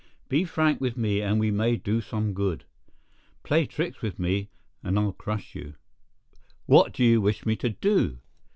Be frank with me and we may do some good. Play tricks with me, and I'll crush you." "What do you wish me to do?"